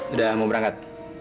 udah mau berangkat